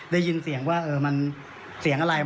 ได้ยินเสียงว่ามันเสียงอะไร